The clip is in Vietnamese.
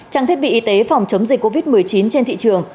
trang thiết bị y tế phòng chống dịch covid một mươi chín trên thị trường